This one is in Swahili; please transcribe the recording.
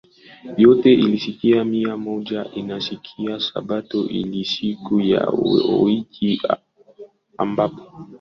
yote Ila asilimia moja inashika Sabato iliyo siku ya wiki ambapo